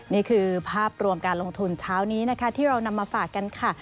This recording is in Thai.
นี่คือภาพรวมการลงทุนเช้านี้นะคะที่เรานำมาฝากกันค่ะ